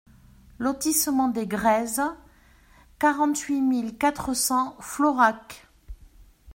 Lotissement des Grèzes, quarante-huit mille quatre cents Florac